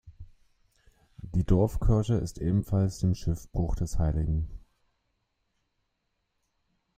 Die Dorfkirche ist ebenfalls dem Schiffbruch des hl.